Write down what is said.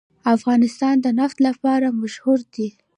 افغانستان د نفت لپاره مشهور دی.